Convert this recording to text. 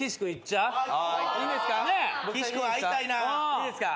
いいですか？